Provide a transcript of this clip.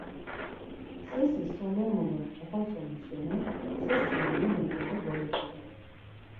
Sersi solen mulun oxotzonu şeni sersi na mulun ǩele goliktu doren.